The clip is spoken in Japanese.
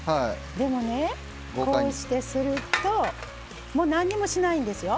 でもね、こうしてすると。もう何もしないんですよ。